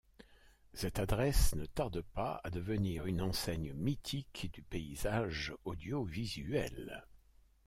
Cette adresse ne tarde pas à devenir une enseigne mythique du paysage audiovisuel.